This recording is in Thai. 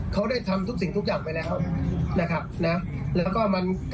เขาได้ทำทุกสิ่งทุกอย่างไปแล้วนะครับนะแล้วก็มัน